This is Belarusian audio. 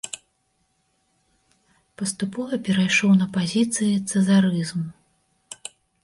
Паступова перайшоў на пазіцыі цэзарызму.